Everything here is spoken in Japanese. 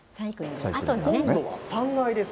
今度は３階です。